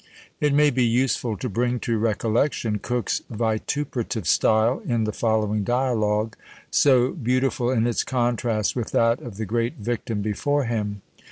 It may be useful to bring to recollection Coke's vituperative style in the following dialogue, so beautiful in its contrast with that of the great victim before him!